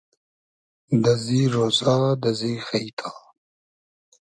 دئزی رۉزا دئزی غݷتا